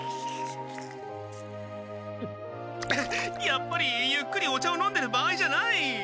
やっぱりゆっくりお茶を飲んでる場合じゃない！